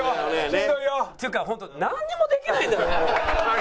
しんどいよ！っていうか本当なんにもできないんだね。